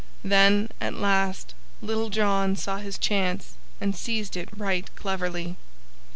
Then at last Little John saw his chance and seized it right cleverly.